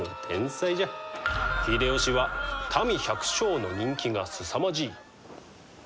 秀吉は民百姓の人気がすさまじい。